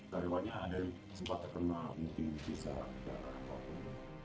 dari wajah ada sempat terkena inti kisah dan apapun